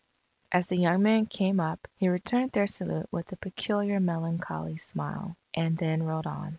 As the young men came up, he returned their salute with a peculiar melancholy smile, and then rode on.